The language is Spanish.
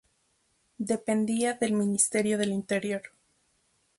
Dependía del Ministerio del Interior.